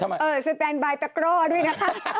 เออสแตนบายตะกร่อด้วยนะคะ